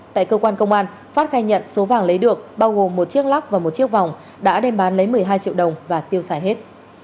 tại cơ quan công an phát khai nhận số vàng lấy được bao gồm một chiếc lóc và một chiếc vòng đã đem bán lấy một mươi hai triệu đồng và tiêu xài hết